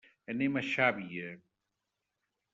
Anem a Xàbia.